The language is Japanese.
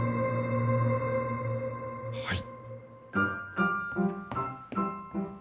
はい。